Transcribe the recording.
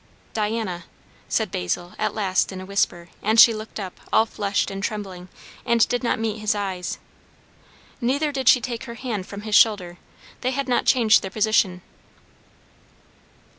"Diana" said Basil at last in a whisper; and she looked up, all flushed and trembling, and did not meet his eyes. Neither did she take her hand from his shoulder; they had not changed their position.